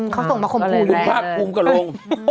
เขาส่งมาคมพูดแรงดูภาคภูมิกระโลง